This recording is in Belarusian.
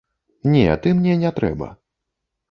Не, ты мне не трэба.